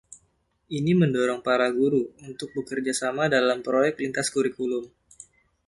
Ini mendorong para guru untuk bekerja sama dalam proyek lintas kurikulum.